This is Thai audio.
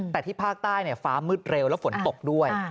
แต่ที่ภาคใต้ฟ้ามืดเร็วแล้วฝนตกด้วย